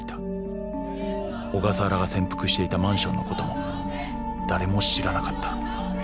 ［小笠原が潜伏していたマンションのことも誰も知らなかった］